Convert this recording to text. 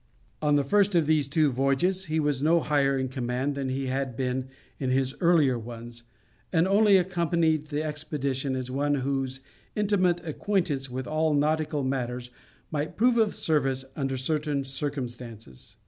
On the first of these two voyages, he was no higher in command than he had been in his earlier ones, and only accompanied the expedition as one whose intimate acquaintance with all nautical matters might prove of service under certain circumstances.